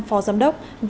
phó giám đốc